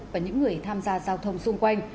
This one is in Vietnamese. và những người tham gia giao thông xung quanh